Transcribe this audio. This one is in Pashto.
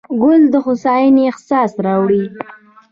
ګل د هوساینې احساس راوړي.